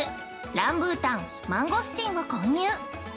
ランブータン、マンゴスチンを購入。